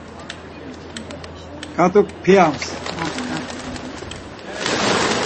ǩat̆uk p̌iyams.